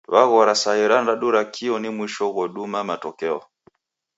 Waghora saa irandadu ra kio ni mwisho ghoduma matokeo